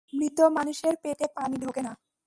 মৃত মানুষের পেটে পানি ঢোকে না।